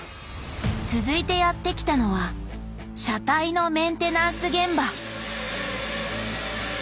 続いてやって来たのは「車体」のメンテナンス現場！